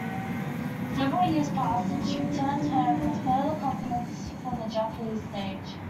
Several years passed, and she returned home, with further confidence for the Japanese stage.